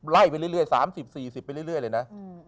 ไล่ไปเรื่อย๓๐๔๐ไปเรื่อยเลยนะ